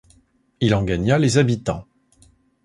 Il en gagna les habitants.